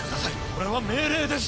これは命令です